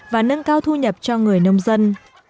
và nâng cao thu nhập cho người nông dân